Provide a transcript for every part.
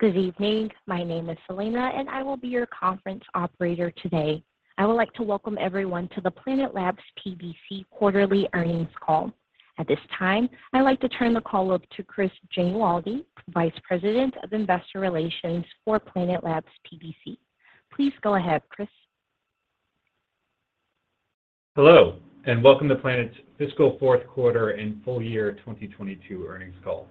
Good evening. My name is Selina, and I will be your conference operator today. I would like to welcome everyone to the Planet Labs PBC quarterly earnings call. At this time, I'd like to turn the call over to Chris Genualdi, Vice President of Investor Relations for Planet Labs PBC. Please go ahead, Chris. Hello, and welcome to Planet's fiscal fourth quarter and full year 2022 earnings call.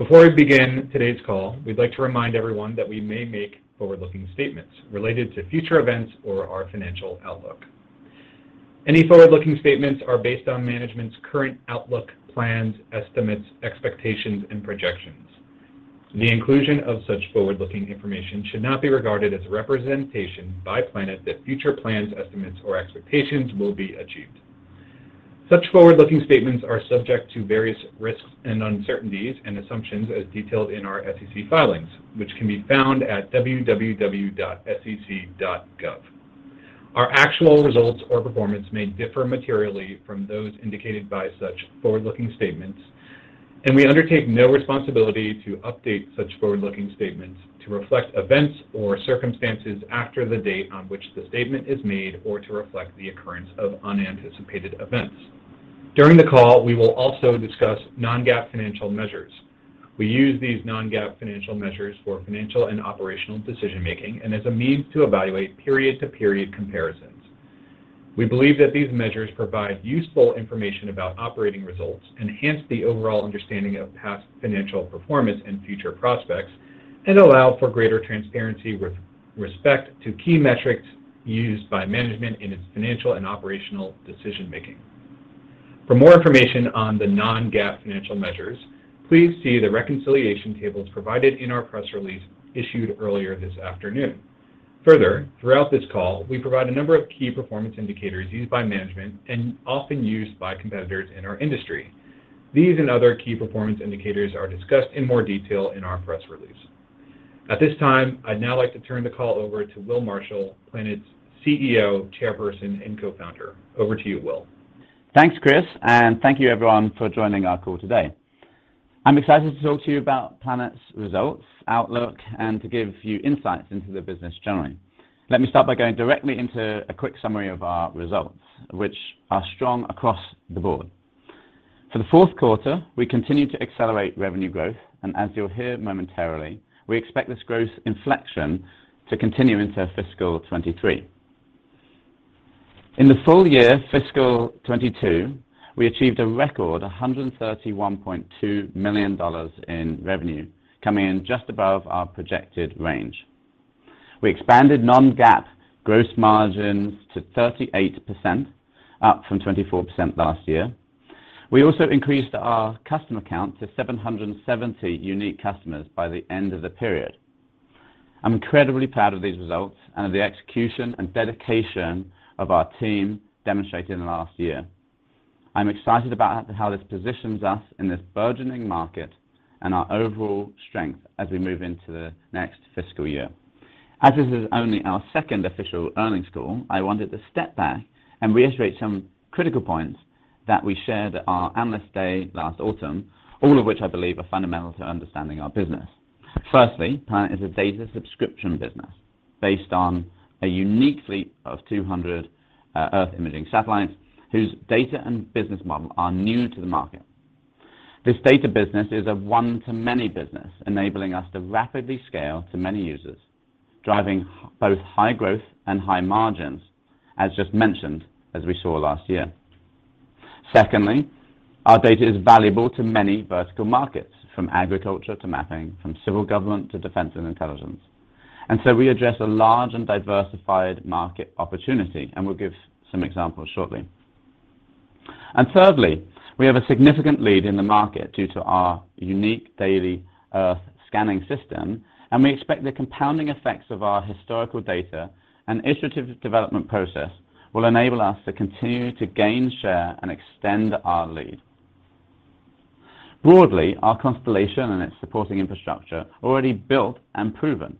Before we begin today's call, we'd like to remind everyone that we may make forward-looking statements related to future events or our financial outlook. Any forward-looking statements are based on management's current outlook, plans, estimates, expectations and projections. The inclusion of such forward-looking information should not be regarded as a representation by Planet that future plans, estimates or expectations will be achieved. Such forward-looking statements are subject to various risks and uncertainties and assumptions as detailed in our SEC filings, which can be found at www.sec.gov. Our actual results or performance may differ materially from those indicated by such forward-looking statements, and we undertake no responsibility to update such forward-looking statements to reflect events or circumstances after the date on which the statement is made or to reflect the occurrence of unanticipated events. During the call, we will also discuss non-GAAP financial measures. We use these non-GAAP financial measures for financial and operational decision-making and as a means to evaluate period-to-period comparisons. We believe that these measures provide useful information about operating results, enhance the overall understanding of past financial performance and future prospects, and allow for greater transparency with respect to key metrics used by management in its financial and operational decision-making. For more information on the non-GAAP financial measures, please see the reconciliation tables provided in our press release issued earlier this afternoon. Further, throughout this call, we provide a number of key performance indicators used by management and often used by competitors in our industry. These and other key performance indicators are discussed in more detail in our press release. At this time, I'd now like to turn the call over to Will Marshall, Planet's CEO, Chairperson, and Co-Founder. Over to you, Will. Thanks, Chris, and thank you everyone for joining our call today. I'm excited to talk to you about Planet's results, outlook, and to give you insights into the business generally. Let me start by going directly into a quick summary of our results, which are strong across the board. For the fourth quarter, we continued to accelerate revenue growth, and as you'll hear momentarily, we expect this growth inflection to continue into fiscal 2023. In the full year fiscal 2022, we achieved a record $131.2 million in revenue, coming in just above our projected range. We expanded non-GAAP gross margins to 38%, up from 24% last year. We also increased our customer count to 770 unique customers by the end of the period. I'm incredibly proud of these results and of the execution and dedication of our team demonstrated in the last year. I'm excited about how this positions us in this burgeoning market and our overall strength as we move into the next fiscal year. As this is only our second official earnings call, I wanted to step back and reiterate some critical points that we shared at our Analyst Day last autumn, all of which I believe are fundamental to understanding our business. Firstly, Planet is a data subscription business based on a unique fleet of 200 Earth imaging satellites whose data and business model are new to the market. This data business is a one-to-many business, enabling us to rapidly scale to many users, driving both high growth and high margins, as just mentioned, as we saw last year. Secondly, our data is valuable to many vertical markets, from agriculture to mapping, from civil government to defense and intelligence. We address a large and diversified market opportunity, and we'll give some examples shortly. Thirdly, we have a significant lead in the market due to our unique daily Earth scanning system, and we expect the compounding effects of our historical data and iterative development process will enable us to continue to gain share and extend our lead. Broadly, our constellation and its supporting infrastructure are already built and proven.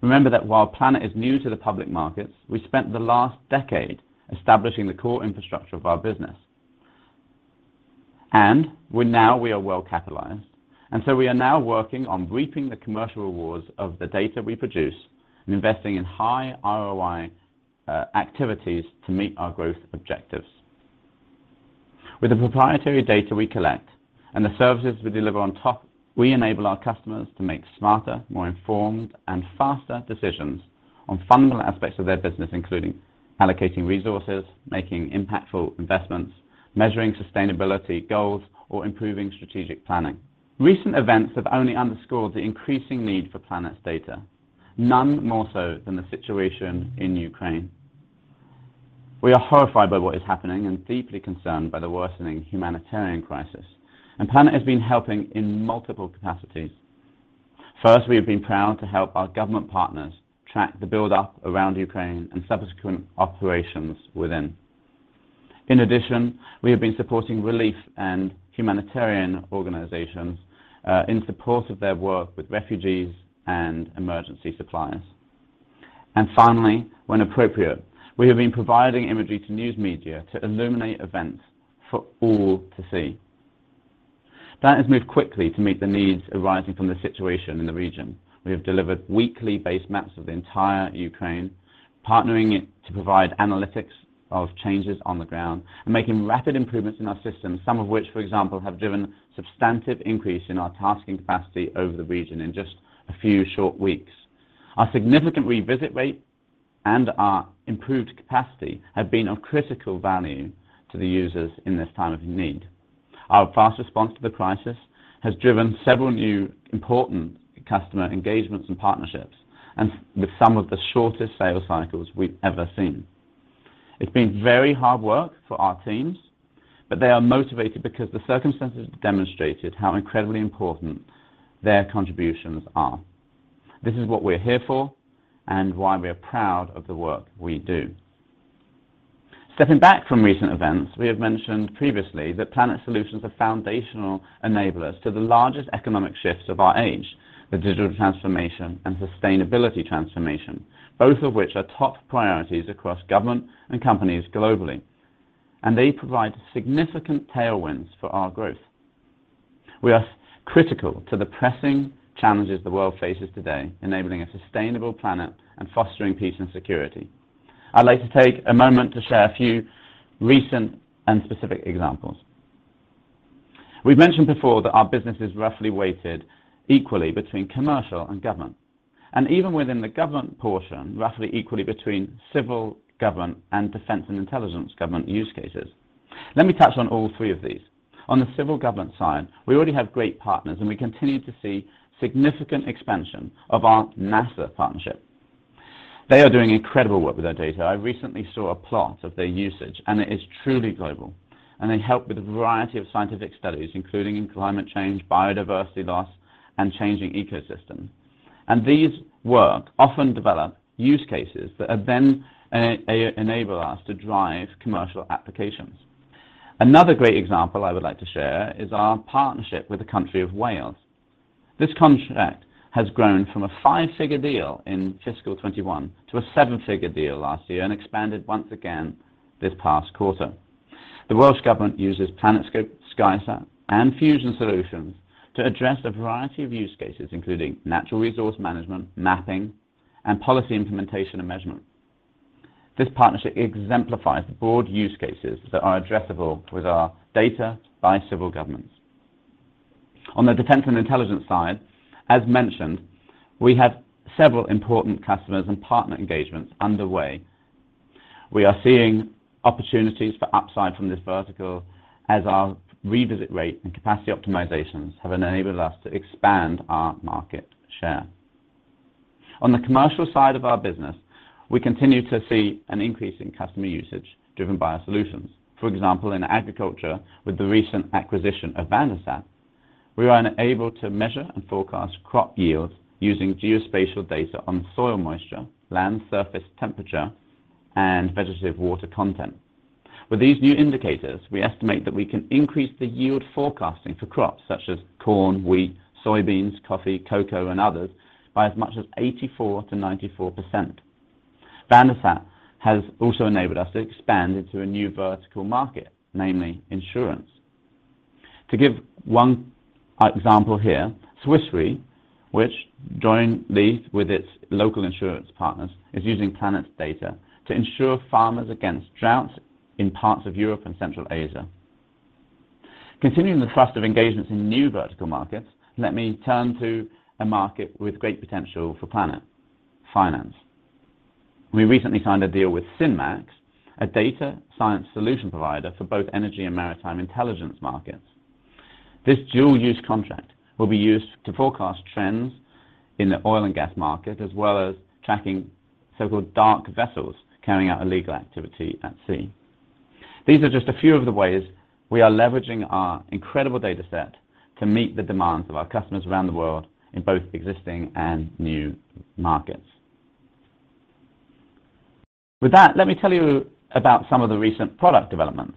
Remember that while Planet is new to the public markets, we spent the last decade establishing the core infrastructure of our business. We are well capitalized, and we are now working on reaping the commercial rewards of the data we produce and investing in high ROI activities to meet our growth objectives. With the proprietary data we collect and the services we deliver on top, we enable our customers to make smarter, more informed and faster decisions on fundamental aspects of their business, including allocating resources, making impactful investments, measuring sustainability goals, or improving strategic planning. Recent events have only underscored the increasing need for Planet's data, none more so than the situation in Ukraine. We are horrified by what is happening and deeply concerned by the worsening humanitarian crisis, and Planet has been helping in multiple capacities. First, we have been proud to help our government partners track the buildup around Ukraine and subsequent operations within. In addition, we have been supporting relief and humanitarian organizations in support of their work with refugees and emergency supplies. And finally, when appropriate, we have been providing imagery to news media to illuminate events for all to see. That has moved quickly to meet the needs arising from the situation in the region. We have delivered weekly base maps of the entire Ukraine, partnering to provide analytics of changes on the ground and making rapid improvements in our system, some of which, for example, have driven substantial increase in our tasking capacity over the region in just a few short weeks. Our significant revisit rate and our improved capacity have been of critical value to the users in this time of need. Our fast response to the crisis has driven several new important customer engagements and partnerships, and with some of the shortest sales cycles we've ever seen. It's been very hard work for our teams, but they are motivated because the circumstances demonstrated how incredibly important their contributions are. This is what we're here for and why we are proud of the work we do. Stepping back from recent events, we have mentioned previously that Planet solutions are foundational enablers to the largest economic shifts of our age, the digital transformation and sustainability transformation, both of which are top priorities across government and companies globally. They provide significant tailwinds for our growth. We are critical to the pressing challenges the world faces today, enabling a sustainable planet and fostering peace and security. I'd like to take a moment to share a few recent and specific examples. We've mentioned before that our business is roughly weighted equally between commercial and government, and even within the government portion, roughly equally between civil government and defense and intelligence government use cases. Let me touch on all three of these. On the civil government side, we already have great partners, and we continue to see significant expansion of our NASA partnership. They are doing incredible work with our data. I recently saw a plot of their usage, and it is truly global. They help with a variety of scientific studies, including in climate change, biodiversity loss, and changing ecosystem. These work often develop use cases that have been enable us to drive commercial applications. Another great example I would like to share is our partnership with the country of Wales. This contract has grown from a five-figure deal in fiscal 2021 to a seven-figure deal last year and expanded once again this past quarter. The Welsh Government uses PlanetScope, SkySat, and Fusion solutions to address a variety of use cases, including natural resource management, mapping, and policy implementation and measurement. This partnership exemplifies the broad use cases that are addressable with our data by civil governments. On the defense and intelligence side, as mentioned, we have several important customers and partner engagements underway. We are seeing opportunities for upside from this vertical as our revisit rate and capacity optimizations have enabled us to expand our market share. On the commercial side of our business, we continue to see an increase in customer usage driven by our solutions. For example, in agriculture, with the recent acquisition of VanderSat, we are now able to measure and forecast crop yields using geospatial data on soil moisture, land surface temperature, and vegetative water content. With these new indicators, we estimate that we can increase the yield forecasting for crops such as corn, wheat, soybeans, coffee, cocoa, and others by as much as 84%-94%. VanderSat has also enabled us to expand into a new vertical market, namely insurance. To give one example here, Swiss Re, which joined these with its local insurance partners, is using Planet's data to insure farmers against droughts in parts of Europe and Central Asia. Continuing the thrust of engagements in new vertical markets, let me turn to a market with great potential for Planet: finance. We recently signed a deal with SynMax, a data science solution provider for both energy and maritime intelligence markets. This dual use contract will be used to forecast trends in the oil and gas market, as well as tracking so-called dark vessels carrying out illegal activity at sea. These are just a few of the ways we are leveraging our incredible data set to meet the demands of our customers around the world in both existing and new markets. With that, let me tell you about some of the recent product developments.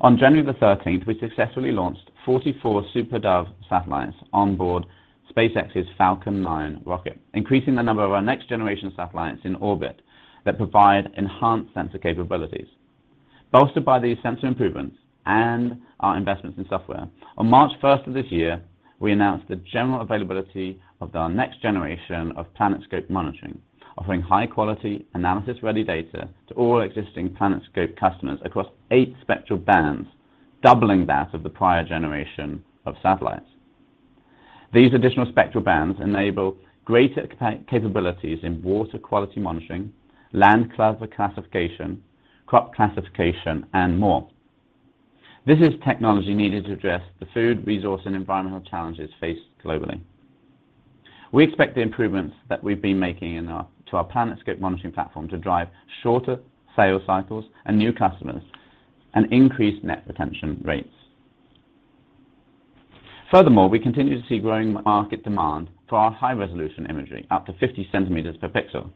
On January 13, we successfully launched 44 SuperDove satellites on board SpaceX's Falcon 9 rocket, increasing the number of our next-generation satellites in orbit that provide enhanced sensor capabilities. Bolstered by these sensor improvements and our investments in software, on March 1 of this year, we announced the general availability of our next generation of PlanetScope monitoring, offering high-quality, analysis-ready data to all existing PlanetScope customers across eight spectral bands, doubling that of the prior generation of satellites. These additional spectral bands enable greater capabilities in water quality monitoring, land class classification, crop classification, and more. This is technology needed to address the food, resource, and environmental challenges faced globally. We expect the improvements that we've been making to our PlanetScope monitoring platform to drive shorter sales cycles and new customers and increase net retention rates. Furthermore, we continue to see growing market demand for our high-resolution imagery, up to 50 centimeters per pixel,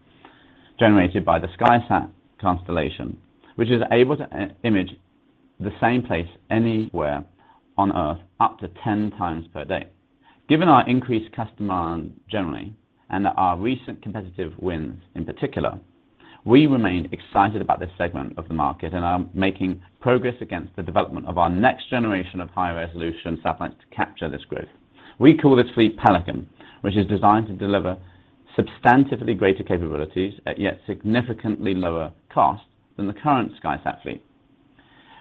generated by the SkySat constellation, which is able to image the same place anywhere on Earth up to 10 times per day. Given our increased customers and generally, and our recent competitive wins in particular, we remain excited about this segment of the market and are making progress against the development of our next generation of high-resolution satellites to capture this growth. We call this fleet Pelican, which is designed to deliver substantively greater capabilities at yet significantly lower cost than the current SkySat fleet.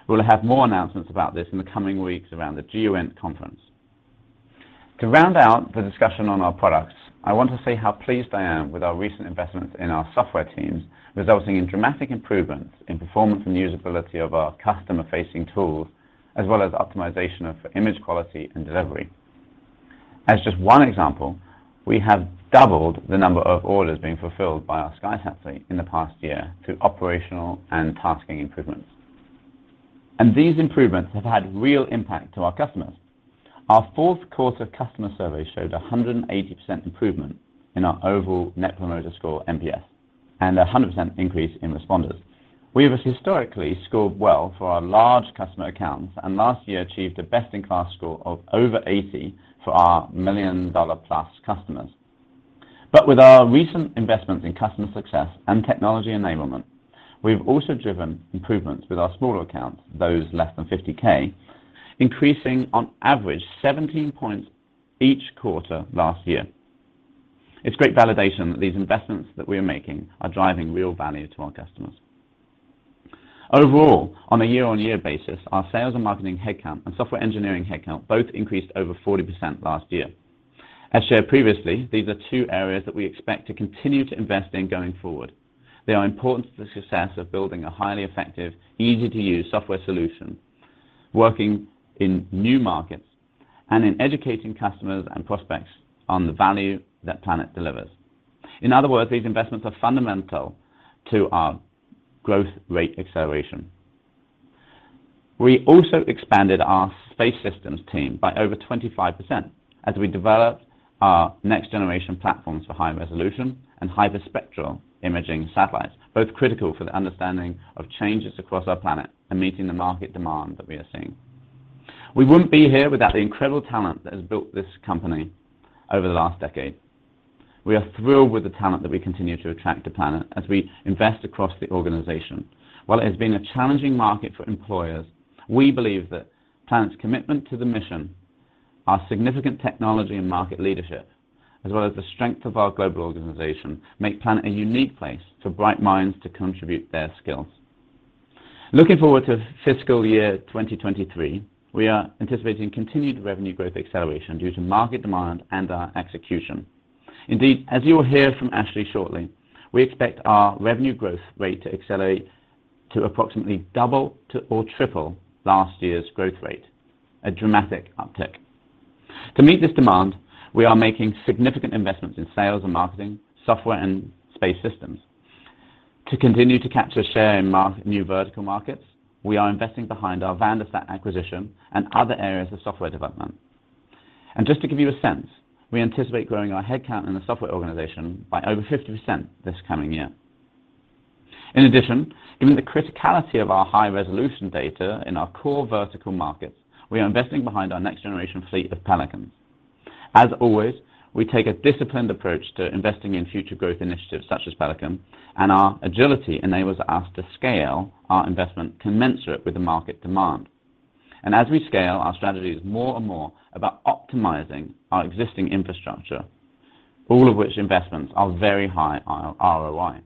We'll have more announcements about this in the coming weeks around the GEOINT conference. To round out the discussion on our products, I want to say how pleased I am with our recent investments in our software teams, resulting in dramatic improvements in performance and usability of our customer-facing tools, as well as optimization of image quality and delivery. As just one example, we have doubled the number of orders being fulfilled by our SkySat fleet in the past year through operational and tasking improvements. These improvements have had real impact to our customers. Our fourth quarter customer survey showed a 180% improvement in our overall net promoter score, NPS, and a 100% increase in responders. We have historically scored well for our large customer accounts, and last year achieved a best-in-class score of over 80 for our million-dollar-plus customers. With our recent investments in customer success and technology enablement, we've also driven improvements with our smaller accounts, those less than $50K, increasing on average 17 points each quarter last year. It's great validation that these investments that we are making are driving real value to our customers. Overall, on a year-on-year basis, our sales and marketing headcount and software engineering headcount both increased over 40% last year. As shared previously, these are two areas that we expect to continue to invest in going forward. They are important to the success of building a highly effective, easy-to-use software solution, working in new markets and in educating customers and prospects on the value that Planet delivers. In other words, these investments are fundamental to our growth rate acceleration. We also expanded our space systems team by over 25% as we developed our next-generation platforms for high-resolution and hyperspectral imaging satellites, both critical for the understanding of changes across our planet and meeting the market demand that we are seeing. We wouldn't be here without the incredible talent that has built this company over the last decade. We are thrilled with the talent that we continue to attract to Planet as we invest across the organization. While it has been a challenging market for employers, we believe that Planet's commitment to the mission, our significant technology and market leadership, as well as the strength of our global organization, make Planet a unique place for bright minds to contribute their skills. Looking forward to fiscal year 2023, we are anticipating continued revenue growth acceleration due to market demand and our execution. Indeed, as you will hear from Ashley shortly, we expect our revenue growth rate to accelerate to approximately double or triple last year's growth rate, a dramatic uptick. To meet this demand, we are making significant investments in sales and marketing, software and space systems. To continue to capture share in new vertical markets, we are investing behind our VanderSat acquisition and other areas of software development. Just to give you a sense, we anticipate growing our headcount in the software organization by over 50% this coming year. In addition, given the criticality of our high-resolution data in our core vertical markets, we are investing behind our next-generation fleet of Pelicans. As always, we take a disciplined approach to investing in future growth initiatives such as Pelican, and our agility enables us to scale our investment commensurate with the market demand. As we scale, our strategy is more and more about optimizing our existing infrastructure, all of which investments are very high on ROI.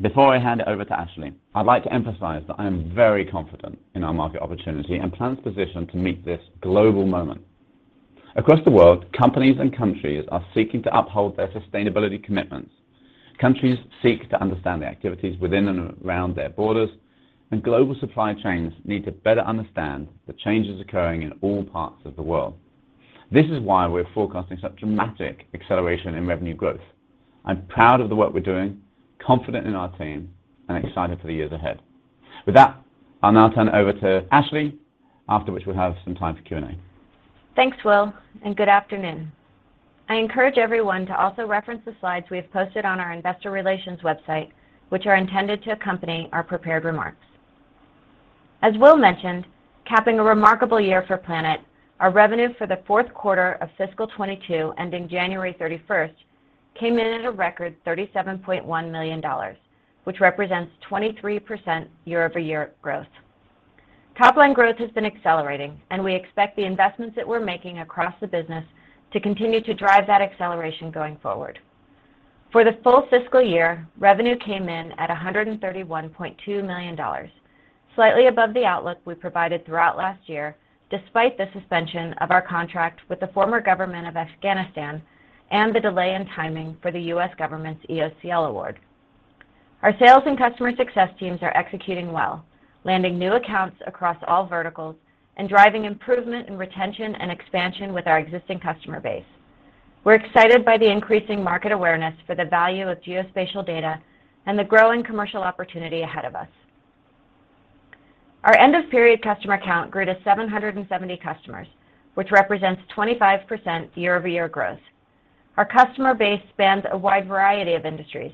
Before I hand it over to Ashley, I'd like to emphasize that I am very confident in our market opportunity and Planet's position to meet this global moment. Across the world, companies and countries are seeking to uphold their sustainability commitments. Countries seek to understand the activities within and around their borders, and global supply chains need to better understand the changes occurring in all parts of the world. This is why we're forecasting such dramatic acceleration in revenue growth. I'm proud of the work we're doing, confident in our team, and excited for the years ahead. With that, I'll now turn it over to Ashley, after which we'll have some time for Q&A. Thanks, Will, and good afternoon. I encourage everyone to also reference the slides we have posted on our investor relations website, which are intended to accompany our prepared remarks. As Will mentioned, capping a remarkable year for Planet, our revenue for the fourth quarter of FY 2022, ending January 31, came in at a record $37.1 million, which represents 23% year-over-year growth. Topline growth has been accelerating, and we expect the investments that we're making across the business to continue to drive that acceleration going forward. For the full fiscal year, revenue came in at $131.2 million, slightly above the outlook we provided throughout last year, despite the suspension of our contract with the former government of Afghanistan and the delay in timing for the U.S. government's EOCL award. Our sales and customer success teams are executing well, landing new accounts across all verticals and driving improvement in retention and expansion with our existing customer base. We're excited by the increasing market awareness for the value of geospatial data and the growing commercial opportunity ahead of us. Our end-of-period customer count grew to 770 customers, which represents 25% year-over-year growth. Our customer base spans a wide variety of industries,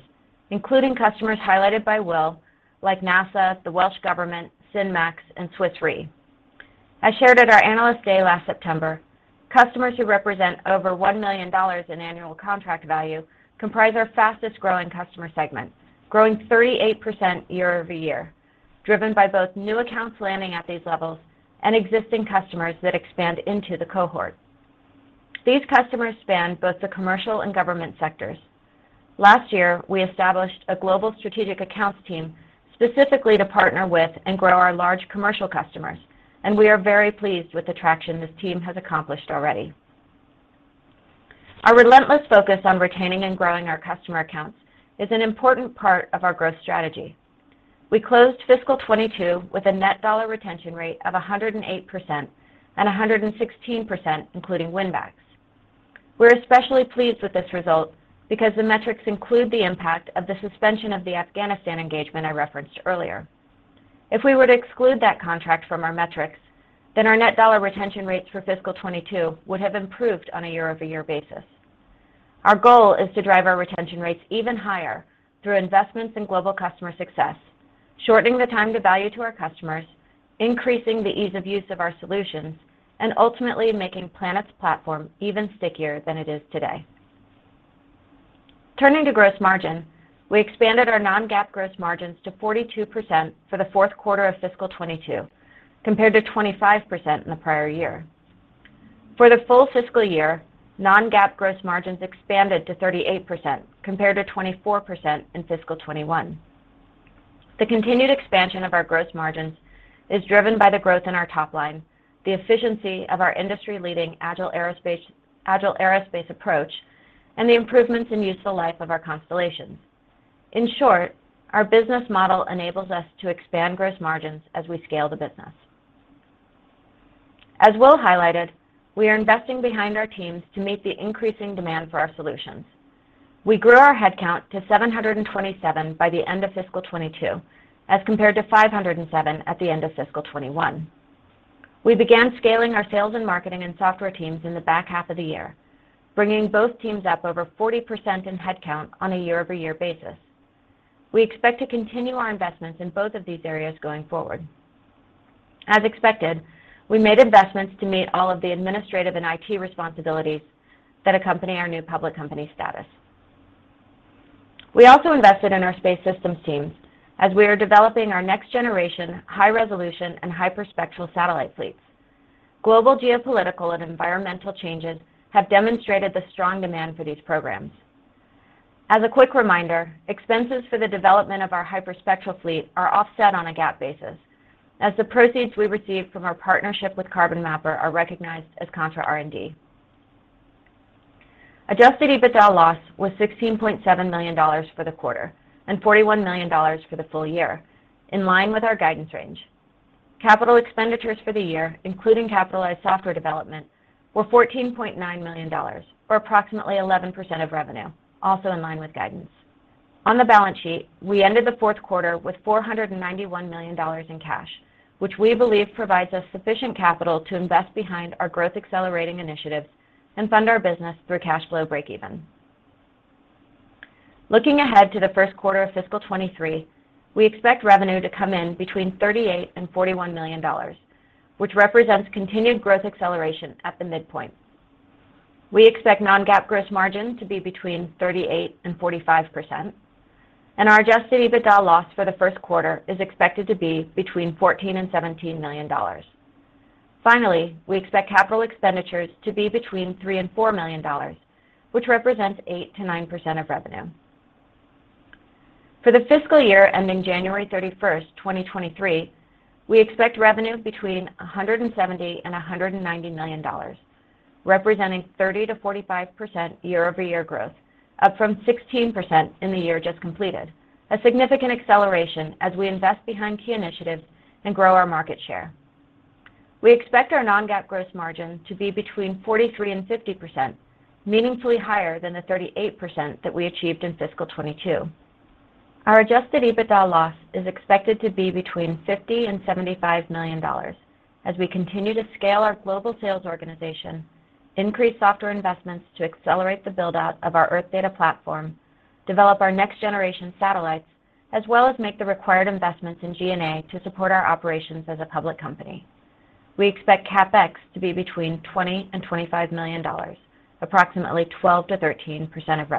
including customers highlighted by Will, like NASA, the Welsh Government, SynMax, and Swiss Re. As shared at our Analyst Day last September, customers who represent over $1 million in annual contract value comprise our fastest-growing customer segment, growing 38% year-over-year, driven by both new accounts landing at these levels and existing customers that expand into the cohort. These customers span both the commercial and government sectors. Last year, we established a global strategic accounts team specifically to partner with and grow our large commercial customers, and we are very pleased with the traction this team has accomplished already. Our relentless focus on retaining and growing our customer accounts is an important part of our growth strategy. We closed fiscal 2022 with a net dollar retention rate of 108% and 116%, including win-backs. We're especially pleased with this result because the metrics include the impact of the suspension of the Afghanistan engagement I referenced earlier. If we were to exclude that contract from our metrics, then our net dollar retention rates for fiscal 2022 would have improved on a year-over-year basis. Our goal is to drive our retention rates even higher through investments in global customer success, shortening the time to value to our customers, increasing the ease of use of our solutions, and ultimately making Planet's platform even stickier than it is today. Turning to gross margin, we expanded our non-GAAP gross margins to 42% for the fourth quarter of fiscal 2022, compared to 25% in the prior year. For the full fiscal year, non-GAAP gross margins expanded to 38%, compared to 24% in fiscal 2021. The continued expansion of our gross margins is driven by the growth in our top line, the efficiency of our industry-leading Agile Aerospace approach, and the improvements in useful life of our constellations. In short, our business model enables us to expand gross margins as we scale the business. As Will highlighted, we are investing behind our teams to meet the increasing demand for our solutions. We grew our headcount to 727 by the end of fiscal 2022, as compared to 507 at the end of fiscal 2021. We began scaling our sales and marketing and software teams in the back half of the year, bringing both teams up over 40% in headcount on a year-over-year basis. We expect to continue our investments in both of these areas going forward. As expected, we made investments to meet all of the administrative and IT responsibilities that accompany our new public company status. We also invested in our space systems teams as we are developing our next-generation high-resolution and hyperspectral satellite fleets. Global geopolitical and environmental changes have demonstrated the strong demand for these programs. As a quick reminder, expenses for the development of our hyperspectral fleet are offset on a GAAP basis as the proceeds we received from our partnership with Carbon Mapper are recognized as contra R&D. Adjusted EBITDA loss was $16.7 million for the quarter and $41 million for the full year, in line with our guidance range. Capital expenditures for the year, including capitalized software development, were $14.9 million, or approximately 11% of revenue, also in line with guidance. On the balance sheet, we ended the fourth quarter with $491 million in cash, which we believe provides us sufficient capital to invest behind our growth-accelerating initiatives and fund our business through cash flow breakeven. Looking ahead to the first quarter of fiscal 2023, we expect revenue to come in between $38 million and $41 million, which represents continued growth acceleration at the midpoint. We expect non-GAAP gross margin to be 38%-45%, and our adjusted EBITDA loss for the first quarter is expected to be $14 million-$17 million. Finally, we expect capital expenditures to be $3 million-$4 million, which represents 8%-9% of revenue. For the fiscal year ending January 31, 2023, we expect revenue between $170 million and $190 million, representing 30%-45% year-over-year growth, up from 16% in the year just completed, a significant acceleration as we invest behind key initiatives and grow our market share. We expect our non-GAAP gross margin to be between 43%-50%, meaningfully higher than the 38% that we achieved in fiscal 2022. Our Adjusted EBITDA loss is expected to be between $50 million-$75 million as we continue to scale our global sales organization, increase software investments to accelerate the build-out of our Earth data platform, develop our next-generation satellites, as well as make the required investments in G&A to support our operations as a public company. We expect CapEx to be between $20 million-$25 million, approximately 12%-13% of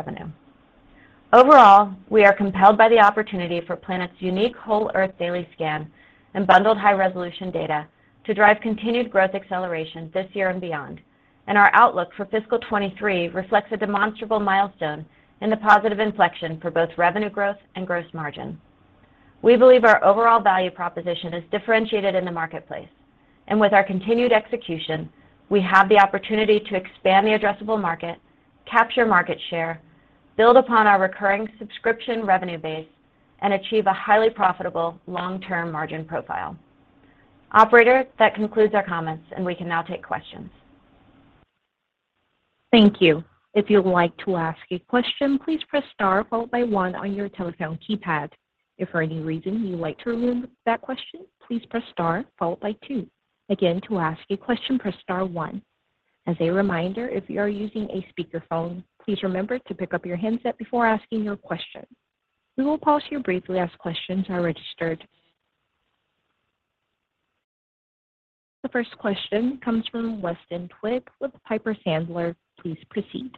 revenue. Overall, we are compelled by the opportunity for Planet's unique whole Earth daily scan and bundled high-resolution data to drive continued growth acceleration this year and beyond. Our outlook for fiscal 2023 reflects a demonstrable milestone and a positive inflection for both revenue growth and gross margin. We believe our overall value proposition is differentiated in the marketplace. With our continued execution, we have the opportunity to expand the addressable market, capture market share, build upon our recurring subscription revenue base, and achieve a highly profitable long-term margin profile. Operator, that concludes our comments, and we can now take questions. Thank you. If you'd like to ask a question, please press star followed by one on your telephone keypad. If for any reason you'd like to remove that question, please press star followed by two. Again, to ask a question, press star one. As a reminder, if you are using a speaker phone, please remember to pick up your handset before asking your question. We will pause here briefly as questions are registered. The first question comes from Weston Twigg with Piper Sandler. Please proceed.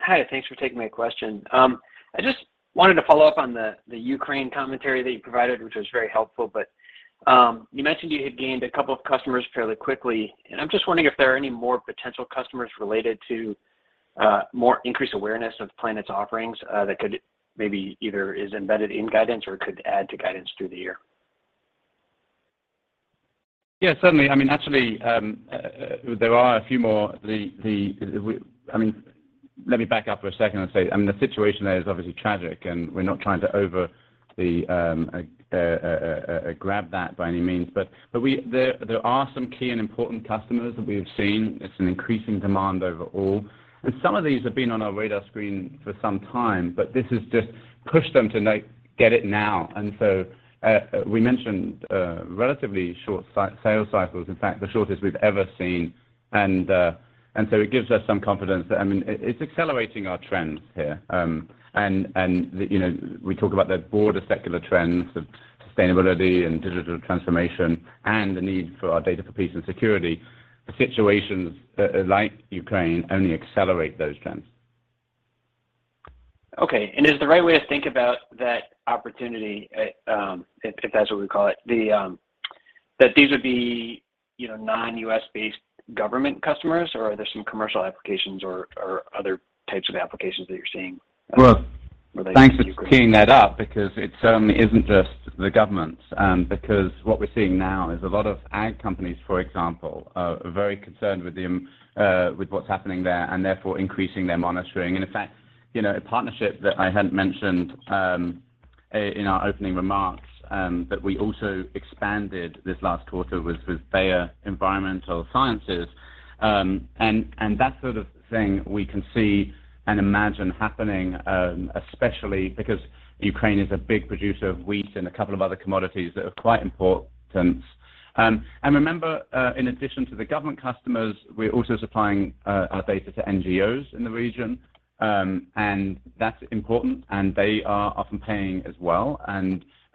Hi. Thanks for taking my question. I just wanted to follow up on the Ukraine commentary that you provided, which was very helpful. You mentioned you had gained a couple of customers fairly quickly, and I'm just wondering if there are any more potential customers related to more increased awareness of Planet's offerings that could maybe either is embedded in guidance or could add to guidance through the year? Yeah, certainly. I mean, actually, there are a few more. I mean, let me back up for a second and say, I mean, the situation there is obviously tragic, and we're not trying to capitalize on that by any means. There are some key and important customers that we have seen. It's an increasing demand overall. Some of these have been on our radar screen for some time, but this has just pushed them to now get it now. We mentioned relatively short sales cycles, in fact, the shortest we've ever seen. It gives us some confidence that, I mean, it's accelerating our trends here. you know, we talk about the broader secular trends of sustainability and digital transformation and the need for our data for peace and security. The situations, like Ukraine, only accelerate those trends. Okay. Is the right way to think about that opportunity, if that's what we call it, that these would be, you know, non-U.S.-based government customers, or are there some commercial applications or other types of applications that you're seeing? Well- Related to Ukraine? Thanks for teeing that up because it certainly isn't just the governments. Because what we're seeing now is a lot of ag companies, for example, are very concerned with what's happening there and therefore increasing their monitoring. In fact, you know, a partnership that I hadn't mentioned in our opening remarks, but we also expanded this last quarter was with Bayer Crop Science. That sort of thing we can see and imagine happening, especially because Ukraine is a big producer of wheat and a couple of other commodities that are quite important. Remember, in addition to the government customers, we're also supplying our data to NGOs in the region. That's important, and they are often paying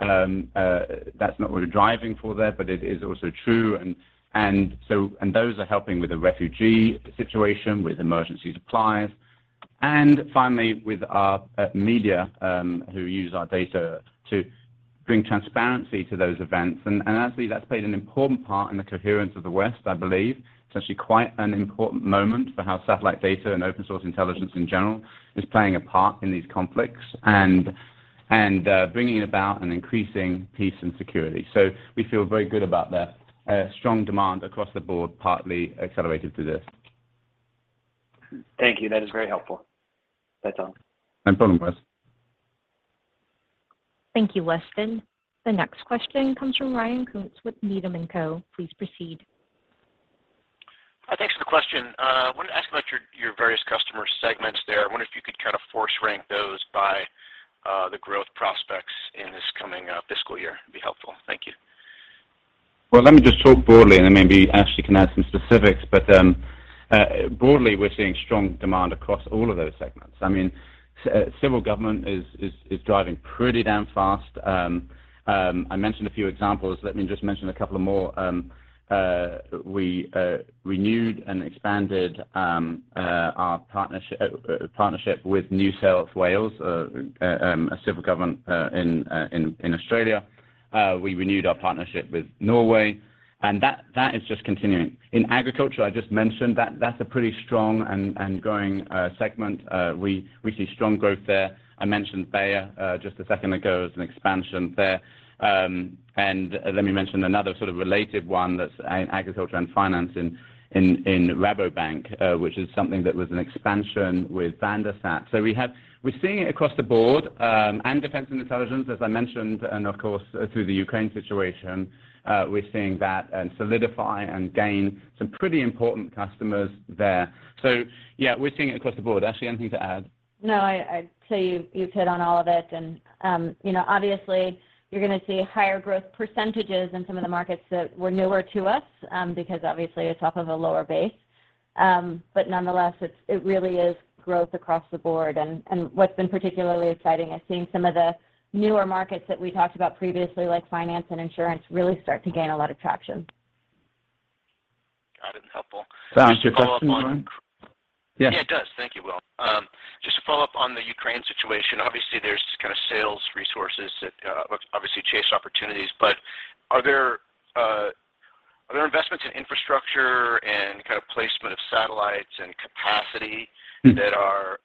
as well. That's not what we're driving for there, but it is also true. Those are helping with the refugee situation, with emergency supplies, finally with our media who use our data to bring transparency to those events. Actually that's played an important part in the coherence of the West, I believe. It's actually quite an important moment for how satellite data and open source intelligence in general is playing a part in these conflicts, bringing about and increasing peace and security. We feel very good about the strong demand across the board, partly accelerated through this. Thank you. That is very helpful. That's all. No problem, Weston. Thank you, Weston. The next question comes from Ryan Koontz with Needham & Company. Please proceed. Thanks for the question. I wanted to ask about your various customer segments there. I wonder if you could kind of force rank those by the growth prospects in this coming fiscal year. It'd be helpful. Thank you. Well, let me just talk broadly and then maybe Ashley can add some specifics. Broadly, we're seeing strong demand across all of those segments. I mean, civil government is driving pretty damn fast. I mentioned a few examples. Let me just mention a couple of more. We renewed and expanded our partnership with New South Wales, a civil government in Australia. We renewed our partnership with Norway, and that is just continuing. In agriculture, I just mentioned that that's a pretty strong and growing segment. We see strong growth there. I mentioned Bayer just a second ago as an expansion there. Let me mention another sort of related one that's agriculture and finance in Rabobank, which is something that was an expansion with VanderSat. We're seeing it across the board, and defense and intelligence, as I mentioned. Of course, through the Ukraine situation, we're seeing that and solidify and gain some pretty important customers there. Yeah, we're seeing it across the board. Ashley, anything to add? No, I'd say you've hit on all of it. You know, obviously you're gonna see higher growth percentages in some of the markets that were newer to us, because obviously it's off of a lower base. Nonetheless, it really is growth across the board. What's been particularly exciting is seeing some of the newer markets that we talked about previously, like finance and insurance, really start to gain a lot of traction. Got it. Helpful. Does that answer your question, Ryan? Just to follow up on. Yes. Yeah, it does. Thank you, Will. Just to follow up on the Ukraine situation. Obviously, there's kind of sales resources that obviously chase opportunities. Are there investments in infrastructure and kind of placement of satellites and capacity- Mm-hmm That are,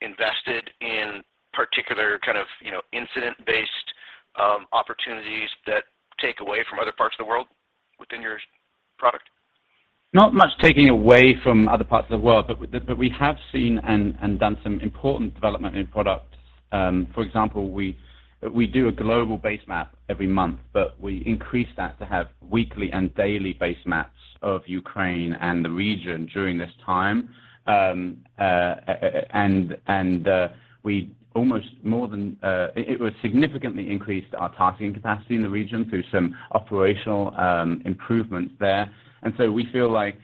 invested in particular kind of, you know, incident-based, opportunities that take away from other parts of the world within your product? Not much taking away from other parts of the world, but we have seen and done some important development in products. For example, we do a global base map every month, but we increased that to have weekly and daily base maps of Ukraine and the region during this time. We significantly increased our targeting capacity in the region through some operational improvements there. We feel like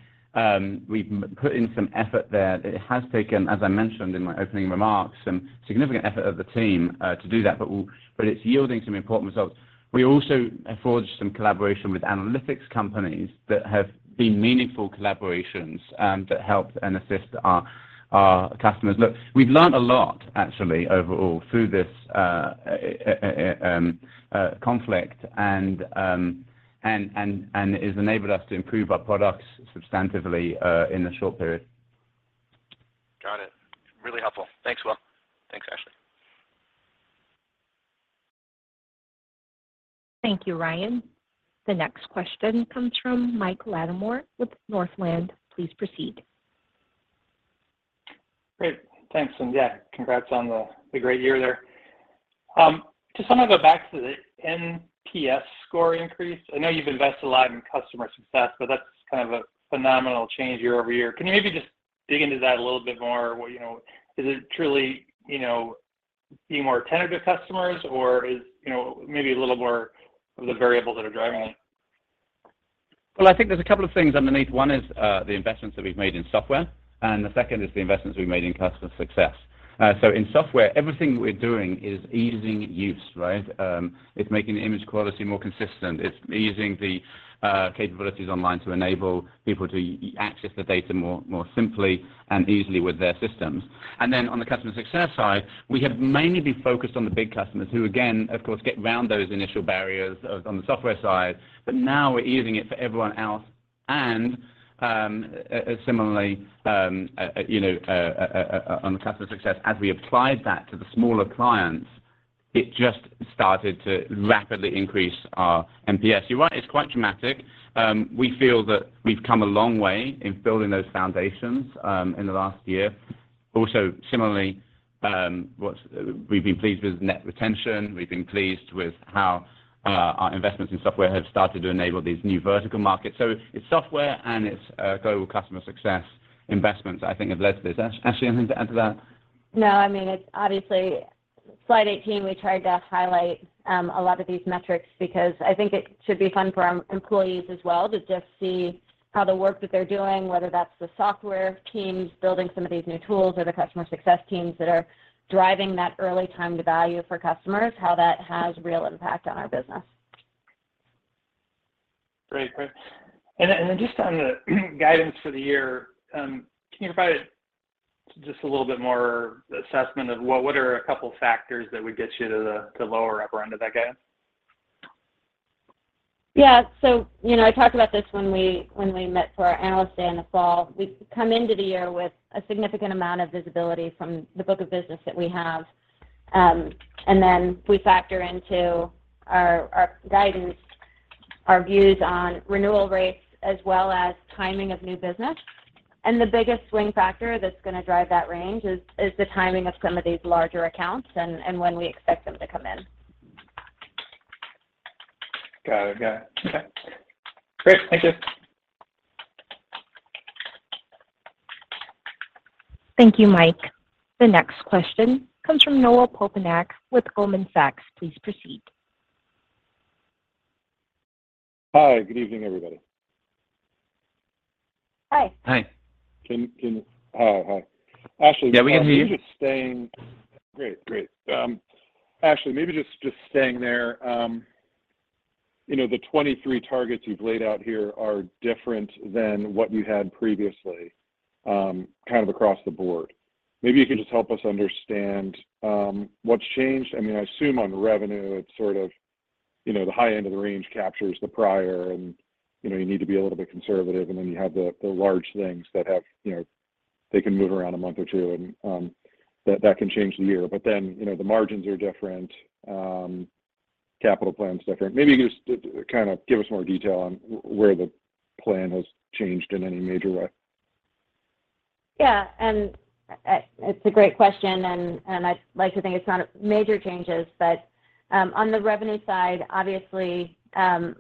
we've put in some effort there. It has taken, as I mentioned in my opening remarks, some significant effort of the team to do that, but it's yielding some important results. We also have forged some collaboration with analytics companies that have been meaningful collaborations and that help and assist our customers. Look, we've learned a lot actually overall through this conflict and it has enabled us to improve our products substantively in a short period. Got it. Really helpful. Thanks, Will. Thanks, Ashley. Thank you, Ryan. The next question comes from Mike Latimore with Northland. Please proceed. Great. Thanks. Yeah, congrats on the great year there. To somewhat go back to the NPS score increase, I know you've invested a lot in customer success, but that's kind of a phenomenal change year-over-year. Can you maybe just dig into that a little bit more? You know, is it truly, you know, being more attentive to customers? Or is, you know, maybe a little more of the variables that are driving it? Well, I think there's a couple of things underneath. One is, the investments that we've made in software, and the second is the investments we've made in customer success. In software, everything we're doing is easing use, right? It's making the image quality more consistent. It's easing the capabilities online to enable people to access the data more simply and easily with their systems. On the customer success side, we have mainly been focused on the big customers who again, of course, get round those initial barriers of on the software side, but now we're easing it for everyone else. Similarly, you know, on the customer success, as we applied that to the smaller clients, it just started to rapidly increase our NPS. You're right, it's quite dramatic. We feel that we've come a long way in building those foundations in the last year. Also, similarly, what we've been pleased with net retention, we've been pleased with how our investments in software have started to enable these new vertical markets. It's software and it's global customer success investments I think have led to this. Ashley, anything to add to that? No, I mean, it's obviously slide 18, we tried to highlight a lot of these metrics because I think it should be fun for our employees as well to just see how the work that they're doing, whether that's the software teams building some of these new tools or the customer success teams that are driving that early time to value for customers, how that has real impact on our business. Great. Just on the guidance for the year, can you provide just a little bit more assessment of what are a couple factors that would get you to the lower upper end of that guidance? Yeah. You know, I talked about this when we met for our Analyst Day in the fall. We've come into the year with a significant amount of visibility from the book of business that we have. Then we factor into our guidance, our views on renewal rates as well as timing of new business. The biggest swing factor that's gonna drive that range is the timing of some of these larger accounts and when we expect them to come in. Got it. Okay. Great. Thank you. Thank you, Mike. The next question comes from Noah Poponak with Goldman Sachs. Please proceed. Hi. Good evening, everybody. Hi. Hi. Hi, Ashley. Yeah, we can hear you. Ashley, maybe just staying there. You know, the 23 targets you've laid out here are different than what you had previously, kind of across the board. Maybe you could just help us understand what's changed. I mean, I assume on revenue it's sort of, you know, the high end of the range captures the prior and, you know, you need to be a little bit conservative, and then you have the large things that have, you know, they can move around a month or two, and that can change the year. You know, the margins are different, capital plan's different. Maybe just kind of give us more detail on where the plan has changed in any major way. It's a great question, and I'd like to think it's not major changes. On the revenue side, obviously,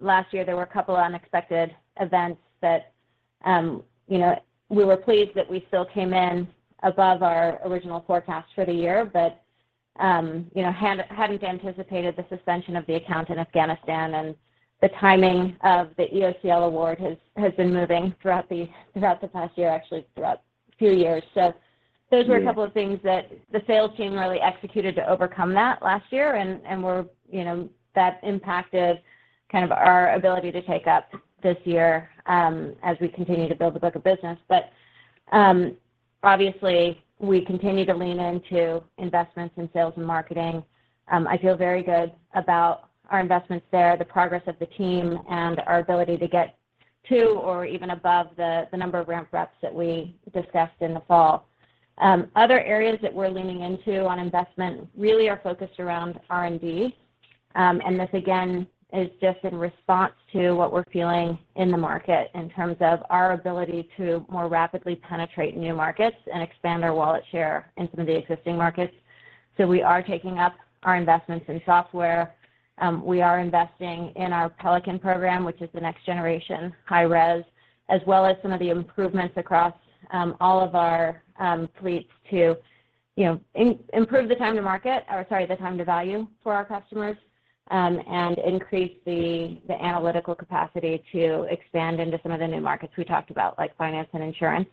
last year there were a couple unexpected events that, you know, we were pleased that we still came in above our original forecast for the year. You know, having anticipated the suspension of the account in Afghanistan and the timing of the EOCL award has been moving throughout the past year, actually throughout few years. Those were- Mm-hmm. A couple of things that the sales team really executed to overcome that last year and were, you know, that impacted kind of our ability to take up this year, as we continue to build the book of business. Obviously we continue to lean into investments in sales and marketing. I feel very good about our investments there, the progress of the team, and our ability to get to or even above the number of ramp reps that we discussed in the fall. Other areas that we're leaning into on investment really are focused around R&D. This again is just in response to what we're feeling in the market in terms of our ability to more rapidly penetrate new markets and expand our wallet share in some of the existing markets. We are taking up our investments in software. We are investing in our Pelican program, which is the next generation high-res, as well as some of the improvements across all of our fleets to, you know, improve the time to market or, sorry, the time to value for our customers, and increase the analytical capacity to expand into some of the new markets we talked about, like finance and insurance.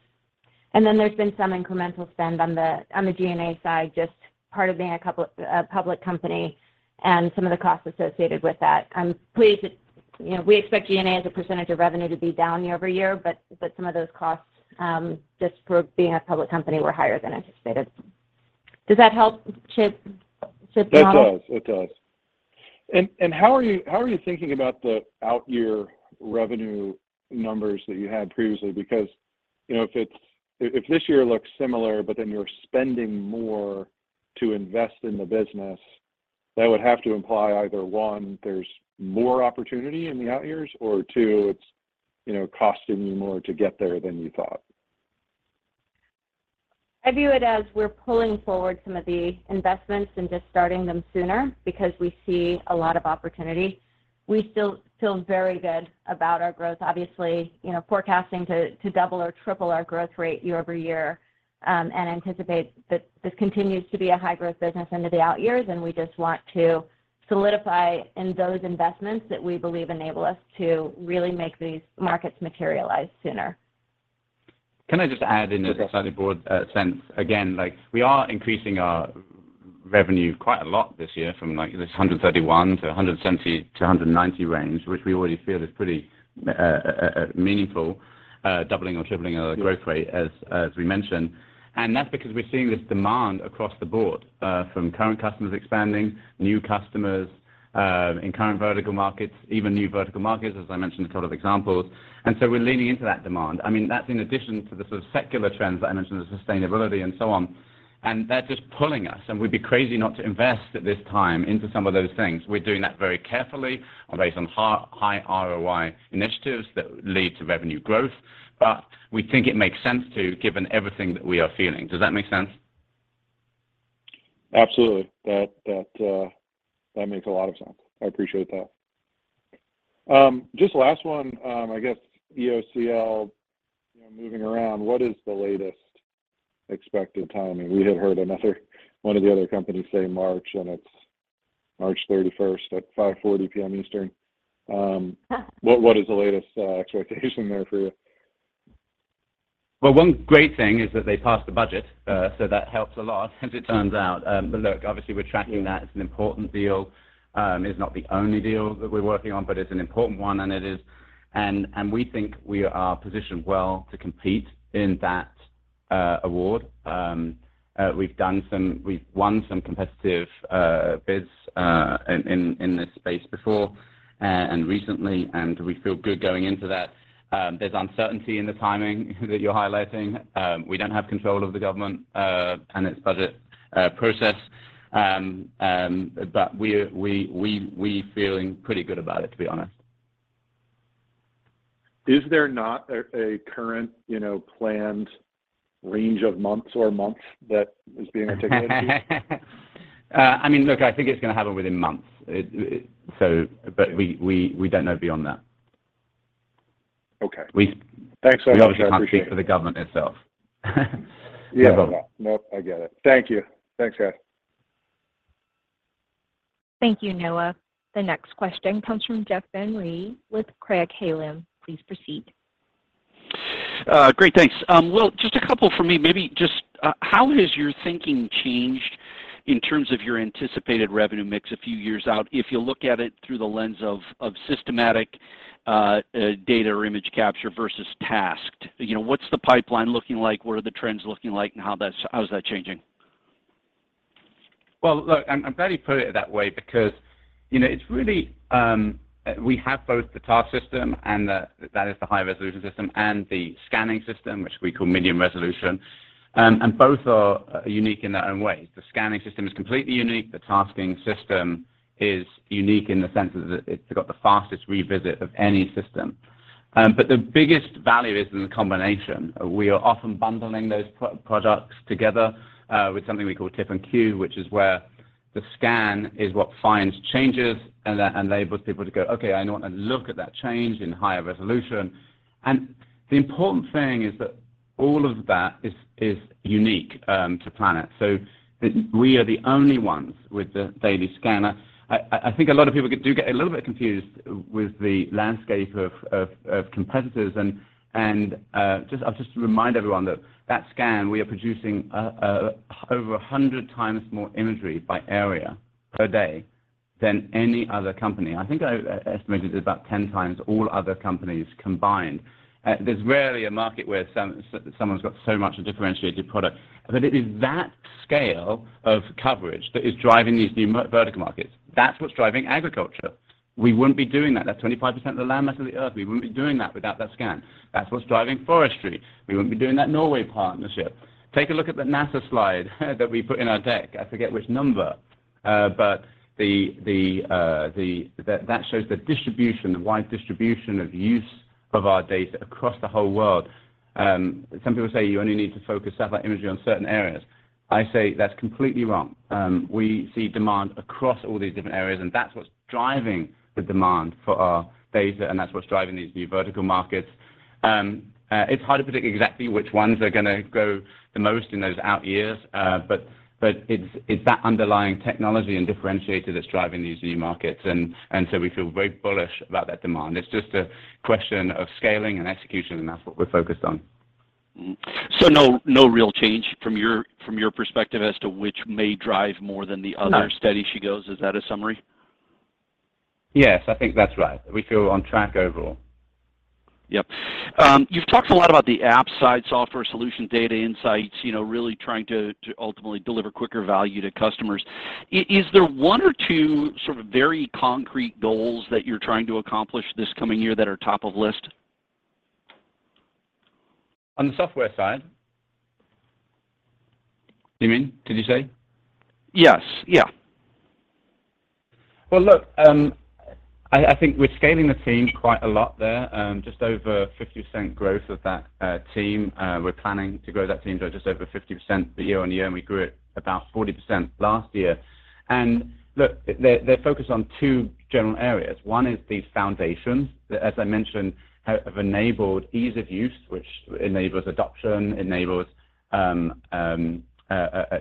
There's been some incremental spend on the G&A side, just part of being a couple of a public company and some of the costs associated with that. I'm pleased that, you know, we expect G&A as a percentage of revenue to be down year-over-year, but some of those costs just for being a public company were higher than anticipated. Does that help, Noah Poponak? That does. It does. How are you thinking about the out year revenue numbers that you had previously? Because, you know, if this year looks similar, but then you're spending more to invest in the business, that would have to imply either, one, there's more opportunity in the out years or two, it's, you know, costing you more to get there than you thought. I view it as we're pulling forward some of the investments and just starting them sooner because we see a lot of opportunity. We still feel very good about our growth, obviously, you know, forecasting to double or triple our growth rate year-over-year, and anticipate that this continues to be a high growth business into the out years, and we just want to solidify in those investments that we believe enable us to really make these markets materialize sooner. Can I just add in a slightly broad sense? Again, like we are increasing our revenue quite a lot this year from like this $131 to $170-$190 range, which we already feel is pretty meaningful, doubling or tripling our growth rate as we mentioned. That's because we're seeing this demand across the board from current customers expanding, new customers in current vertical markets, even new vertical markets, as I mentioned a couple of examples. We're leaning into that demand. I mean, that's in addition to the sort of secular trends that I mentioned, the sustainability and so on, and they're just pulling us, and we'd be crazy not to invest at this time into some of those things. We're doing that very carefully based on high ROI initiatives that lead to revenue growth. We think it makes sense to, given everything that we are feeling. Does that make sense? Absolutely. That makes a lot of sense. I appreciate that. Just last one, I guess EOCL, you know, moving around, what is the latest expected timing? We have heard another one of the other companies say March, and it's March 31st at 5:40 P.M. Eastern. What is the latest expectation there for you? Well, one great thing is that they passed the budget, so that helps a lot as it turns out. Look, obviously we're tracking that. It's an important deal. It's not the only deal that we're working on, but it's an important one. We think we are positioned well to compete in that award. We've won some competitive bids in this space before, and recently, and we feel good going into that. There's uncertainty in the timing that you're highlighting. We don't have control of the government and its budget process. We're feeling pretty good about it, to be honest. Is there not a current, you know, planned range of months or month that is being articulated to you? I mean, look, I think it's gonna happen within months. But we don't know beyond that. Okay. We- Thanks. I appreciate it. We obviously can't speak for the government itself. Yeah. No. Nope. I get it. Thank you. Thanks, guys. Thank you, Noah. The next question comes from Jeff Van Rhee with Craig-Hallum. Please proceed. Great. Thanks. Will, just a couple from me. Maybe just how has your thinking changed in terms of your anticipated revenue mix a few years out, if you look at it through the lens of systematic data or image capture versus tasked? You know, what's the pipeline looking like? What are the trends looking like, and how is that changing? Well, look, I'm glad you put it that way because, you know, it's really, we have both the task system and the high-resolution system and the scanning system, which we call medium resolution. Both are unique in their own ways. The scanning system is completely unique. The tasking system is unique in the sense that it's got the fastest revisit of any system. The biggest value is in the combination. We are often bundling those products together, with something we call Tip and Cue, which is where the scan is what finds changes and that enables people to go, "Okay, I now want to look at that change in higher resolution." The important thing is that all of that is unique to Planet. We are the only ones with the daily scanner. I think a lot of people get a little bit confused with the landscape of competitors and just remind everyone that scan we are producing over 100 times more imagery by area per day than any other company. I think I estimated about 10 times all other companies combined. There's rarely a market where someone's got so much a differentiated product, but it is that scale of coverage that is driving these new vertical markets. That's what's driving agriculture. We wouldn't be doing that. That's 25% of the landmass of the Earth. We wouldn't be doing that without that scan. That's what's driving forestry. We wouldn't be doing that Norway partnership. Take a look at the NASA slide that we put in our deck. I forget which number, but that shows the distribution, the wide distribution of use of our data across the whole world. Some people say you only need to focus satellite imagery on certain areas. I say that's completely wrong. We see demand across all these different areas, and that's what's driving the demand for our data, and that's what's driving these new vertical markets. It's hard to predict exactly which ones are gonna grow the most in those out years, but it's that underlying technology and differentiator that's driving these new markets and so we feel very bullish about that demand. It's just a question of scaling and execution, and that's what we're focused on. No real change from your perspective as to which may drive more than the other. No. Steady she goes, is that a summary? Yes. I think that's right. We feel on track overall. Yep. You've talked a lot about the app side, software solution, data insights, you know, really trying to ultimately deliver quicker value to customers. Is there one or two sort of very concrete goals that you're trying to accomplish this coming year that are top of list? On the software side, you mean? Did you say? Yes. Yeah. Well, look, I think we're scaling the team quite a lot there, just over 50% growth of that team. We're planning to grow that team by just over 50% year-over-year, and we grew it about 40% last year. Look, they're focused on two general areas. One is these foundations that, as I mentioned, have enabled ease of use, which enables adoption, enables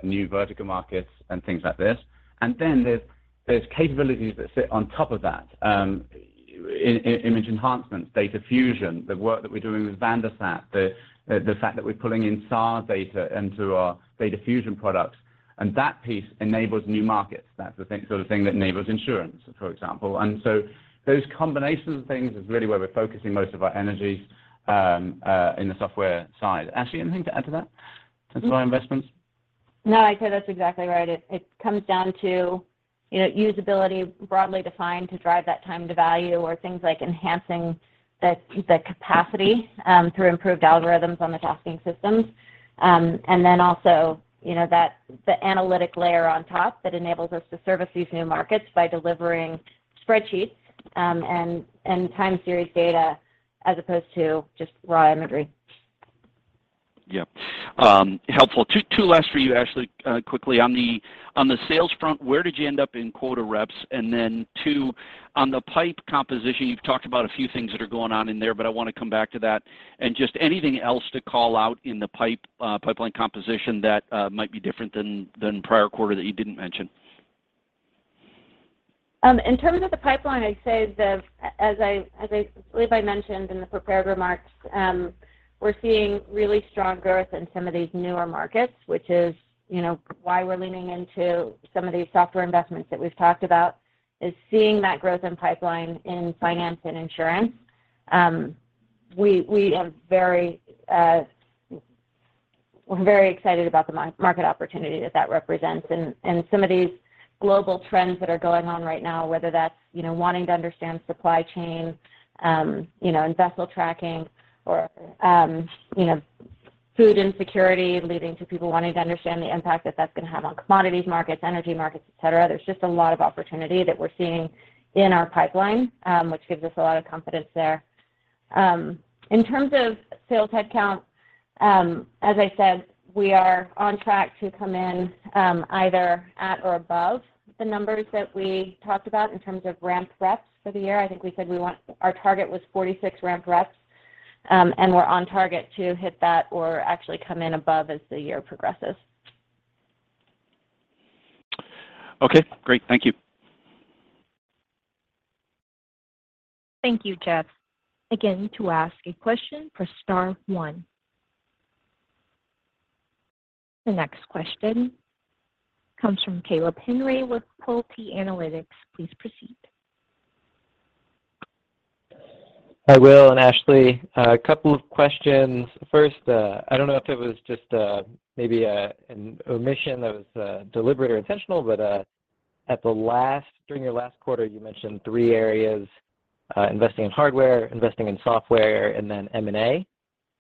new vertical markets and things like this. Then there's capabilities that sit on top of that, image enhancements, data fusion, the work that we're doing with VanderSat, the fact that we're pulling in SAR data into our data fusion products, and that piece enables new markets. That's the thing, sort of thing that enables insurance, for example. Those combinations of things is really where we're focusing most of our energy, in the software side. Ashley, anything to add to that, to those investments? No, I'd say that's exactly right. It comes down to, you know, usability broadly defined to drive that time to value or things like enhancing the capacity through improved algorithms on the tasking systems. Then also, you know, the analytic layer on top that enables us to service these new markets by delivering spreadsheets and time series data as opposed to just raw imagery. Yeah. Helpful. Two last for you, Ashley, quickly. On the sales front, where did you end up in quota reps? Then too, on the pipe composition, you've talked about a few things that are going on in there, but I wanna come back to that, and just anything else to call out in the pipe, pipeline composition that might be different than prior quarter that you didn't mention. In terms of the pipeline, I'd say, as I believe I mentioned in the prepared remarks, we're seeing really strong growth in some of these newer markets, which is, you know, why we're leaning into some of these software investments that we've talked about is seeing that growth in pipeline in finance and insurance. We're very excited about the market opportunity that that represents and some of these global trends that are going on right now, whether that's, you know, wanting to understand supply chain, you know, and vessel tracking or, you know, food insecurity leading to people wanting to understand the impact that that's gonna have on commodities markets, energy markets, et cetera. There's just a lot of opportunity that we're seeing in our pipeline, which gives us a lot of confidence there. In terms of sales headcount, as I said, we are on track to come in either at or above the numbers that we talked about in terms of ramped reps for the year. I think we said our target was 46 ramped reps, and we're on target to hit that or actually come in above as the year progresses. Okay, great. Thank you. Thank you, Jeff. Again, to ask a question, press star one. The next question comes from Caleb Henry with Quilty Analytics. Please proceed. Hi, Will and Ashley. A couple of questions. First, I don't know if it was just maybe an omission that was deliberate or intentional, but during your last quarter, you mentioned three areas, investing in hardware, investing in software, and then M&A.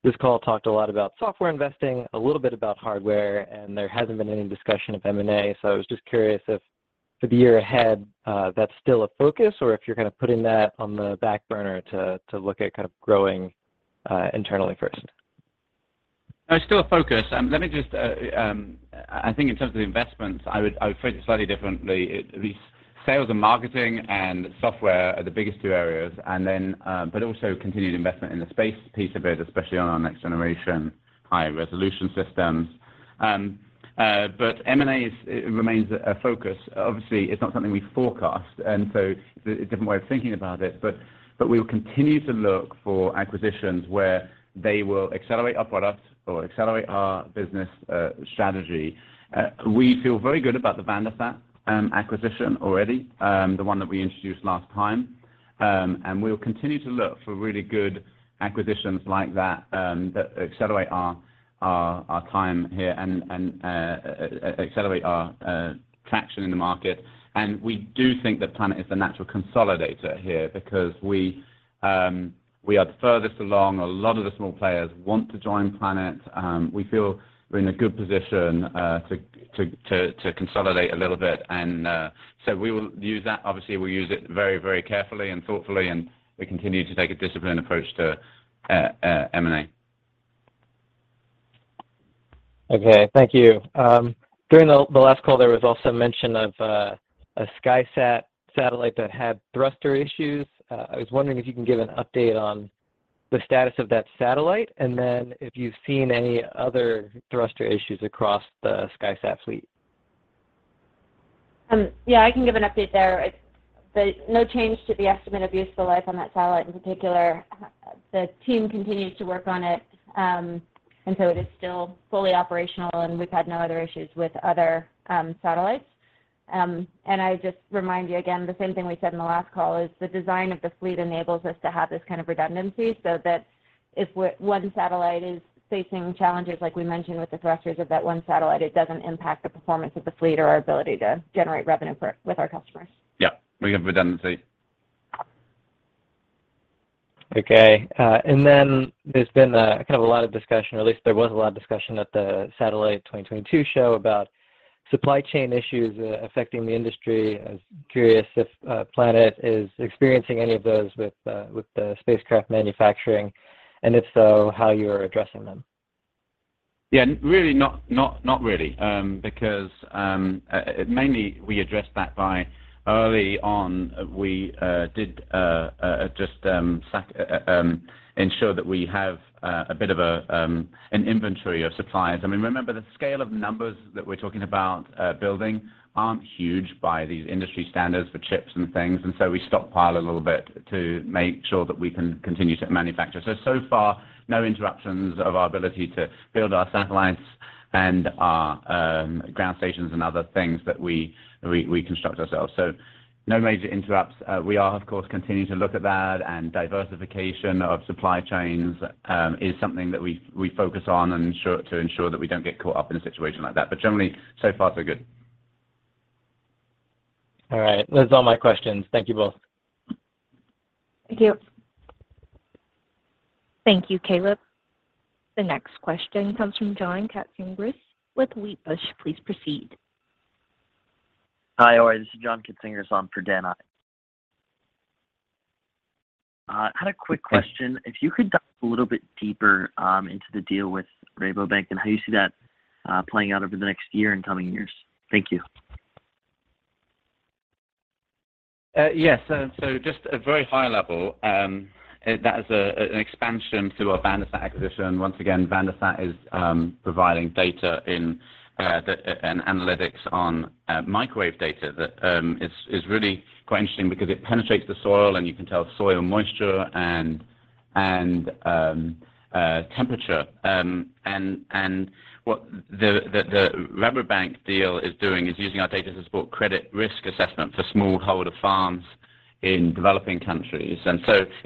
This call talked a lot about software investing, a little bit about hardware, and there hasn't been any discussion of M&A. I was just curious if for the year ahead, that's still a focus or if you're kind of putting that on the back burner to look at kind of growing internally first. No, still a focus. Let me just, I think in terms of the investments, I would phrase it slightly differently. These sales and marketing and software are the biggest two areas and then but also continued investment in the space piece of it, especially on our next generation high-resolution systems. M&A remains a focus. Obviously, it's not something we forecast, and so it's a different way of thinking about it. We'll continue to look for acquisitions where they will accelerate our products or accelerate our business strategy. We feel very good about the VanderSat acquisition already, the one that we introduced last time. We'll continue to look for really good acquisitions like that accelerate our timeline and accelerate our traction in the market. We do think that Planet is the natural consolidator here because we are the furthest along. A lot of the small players want to join Planet. We feel we're in a good position to consolidate a little bit. We will use that. Obviously, we'll use it very, very carefully and thoughtfully, and we continue to take a disciplined approach to M&A. Okay. Thank you. During the last call, there was also mention of a SkySat satellite that had thruster issues. I was wondering if you can give an update on the status of that satellite, and then if you've seen any other thruster issues across the SkySat fleet. Yeah, I can give an update there. There's no change to the estimate of useful life on that satellite in particular. The team continues to work on it, and so it is still fully operational, and we've had no other issues with other satellites. I just remind you again, the same thing we said in the last call is the design of the fleet enables us to have this kind of redundancy so that if one satellite is facing challenges like we mentioned with the thrusters of that one satellite, it doesn't impact the performance of the fleet or our ability to generate revenue with our customers. Yeah, we have redundancy. Okay. There's been kind of a lot of discussion, or at least there was a lot of discussion at the Satellite 2022 show about supply chain issues affecting the industry. I was curious if Planet is experiencing any of those with the spacecraft manufacturing, and if so, how you are addressing them. Not really, because mainly we address that by early on we did just ensure that we have a bit of an inventory of suppliers. I mean, remember, the scale of numbers that we're talking about building aren't huge by these industry standards for chips and things, and so we stockpile a little bit to make sure that we can continue to manufacture. So far, no interruptions of our ability to build our satellites and our ground stations and other things that we construct ourselves. No major interruptions. We are, of course, continuing to look at that and diversification of supply chains is something that we focus on to ensure that we don't get caught up in a situation like that. Generally, so far so good. All right. That's all my questions. Thank you both. Thank you. Thank you, Caleb. The next question comes from John Katsingris with Wedbush. Please proceed. Hi. How are you? This is John Katsingris on for Dan Ives. Had a quick question. If you could dive a little bit deeper into the deal with Rabobank and how you see that playing out over the next year and coming years. Thank you. Yes. Just a very high level, that is an expansion to our VanderSat acquisition. Once again, VanderSat is providing data in the analytics on microwave data that is really quite interesting because it penetrates the soil, and you can tell soil moisture and temperature. What the Rabobank deal is doing is using our data to support credit risk assessment for smallholder farms in developing countries. It's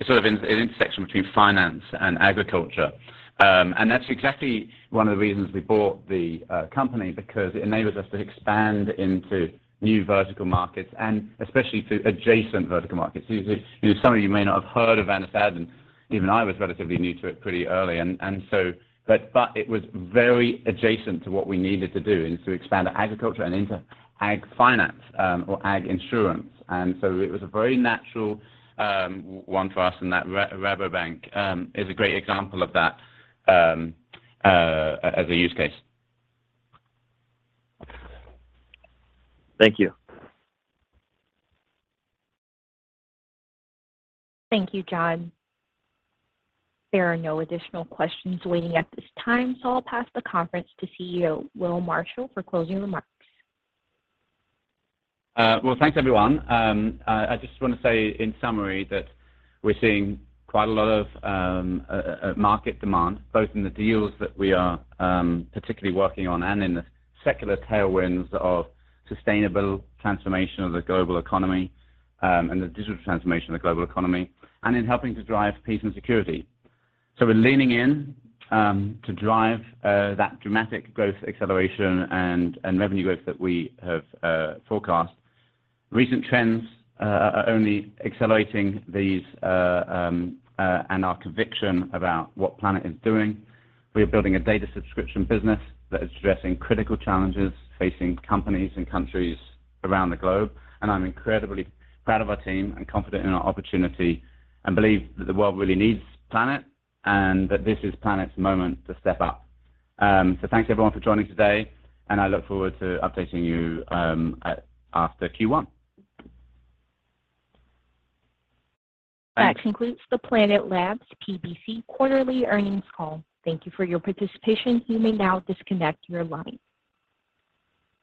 sort of an intersection between finance and agriculture. That's exactly one of the reasons we bought the company because it enables us to expand into new vertical markets and especially to adjacent vertical markets. You know, some of you may not have heard of VanderSat, and even I was relatively new to it pretty early. It was very adjacent to what we needed to do, is to expand agriculture and into ag finance, or ag insurance. It was a very natural one for us, and that Rabobank is a great example of that, as a use case. Thank you. Thank you, John. There are no additional questions waiting at this time, so I'll pass the conference to CEO Will Marshall for closing remarks. Well, thanks, everyone. I just wanna say in summary that we're seeing quite a lot of market demand, both in the deals that we are particularly working on and in the secular tailwinds of sustainable transformation of the global economy, and the digital transformation of the global economy, and in helping to drive peace and security. We're leaning in to drive that dramatic growth acceleration and revenue growth that we have forecast. Recent trends are only accelerating these and our conviction about what Planet is doing. We are building a data subscription business that is addressing critical challenges facing companies and countries around the globe. I'm incredibly proud of our team and confident in our opportunity and believe that the world really needs Planet and that this is Planet's moment to step up. So thanks everyone for joining today, and I look forward to updating you after Q1. That concludes the Planet Labs PBC quarterly earnings call. Thank you for your participation. You may now disconnect your line.